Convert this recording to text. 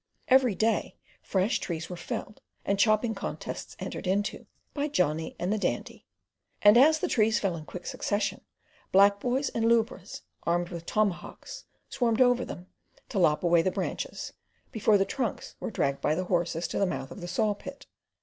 Every day fresh trees were felled and chopping contests entered into by Johnny and the Dandy; and as the trees fell in quick succession, black boys and lubras armed with tomahawks, swarmed over them, to lop away the branches, before the trunks were dragged by the horses to the mouth of the sawpit.